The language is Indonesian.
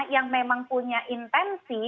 yang memang punya intensi